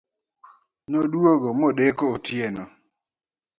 Noduogo modeko otieno